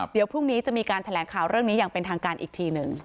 เดี๋ยวพรุ่งนี้จะมีการแถลงข่าวเรื่องนี้อย่างเป็นทางการอีกทีหนึ่ง